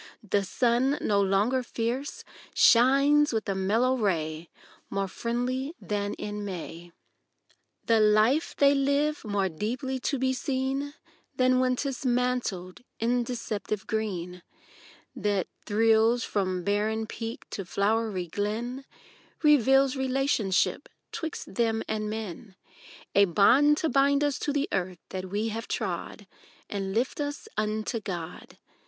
The sun, no longer fierce, shines with a mellow ray, More friendly than in May. 34 AUTUMN NOTES. The life they live more deeply to be seen Than when 'tis mantled in deceptive green, That thrills from barren peak to flowery glen, Reveals relationship 'twixt them and men: A bond to bind us to the earth that we have trod, And lift us unto God.